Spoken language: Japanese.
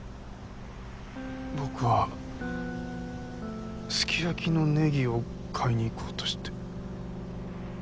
僕はすき焼きのネギを買いに行こうとして。